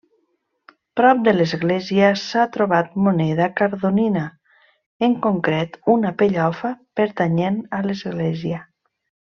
Prop de l'església s'ha trobat moneda cardonina, en concret una pellofa pertanyent a l'església.